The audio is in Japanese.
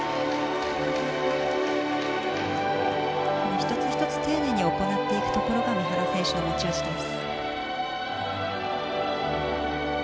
１つ１つ丁寧に行っていくところが三原選手の持ち味です。